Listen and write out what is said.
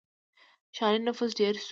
• ښاري نفوس ډېر شو.